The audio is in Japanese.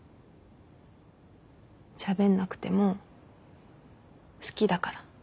しゃべんなくても好きだから。